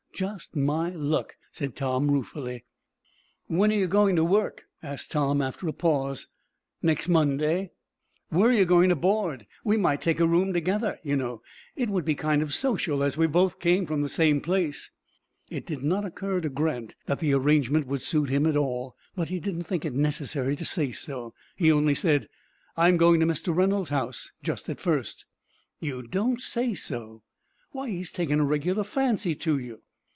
"Just my luck," said Tom, ruefully. "When are you goin' to work?" asked Tom, after a pause. "Next Monday." "Where are you going to board? We might take a room together, you know. It would be kind of social, as we both come from the same place." It did not occur to Grant that the arrangement would suit him at all, but he did not think it necessary to say so. He only said: "I am going to Mr. Reynolds' house, just at first." "You don't say so! Why, he's taken a regular fancy to you."